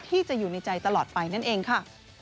ที่จะอยู่ในใจตลอดไปนั่นเองค่ะ